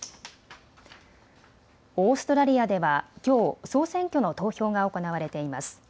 オーストラリアではきょう、総選挙の投票が行われています。